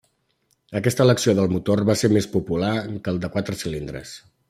Aquesta elecció del motor va ser més popular que el de quatre cilindres.